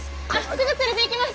すぐ連れていきます！